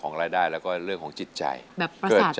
ก็ได้ก็คิดเจ่น